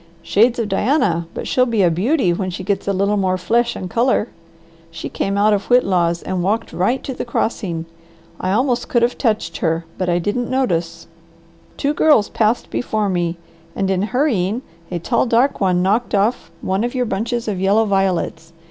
"Shades of Diana, but she'll be a beauty when she gets a little more flesh and colour. She came out of Whitlaw's and walked right to the crossing. I almost could have touched her, but I didn't notice. Two girls passed before me, and in hurrying, a tall, dark one knocked off one of your bunches of yellow violets.